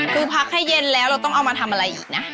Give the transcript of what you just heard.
คือพักให้เย็นแล้วเราต้องเอามาทำอะไรอีกนะ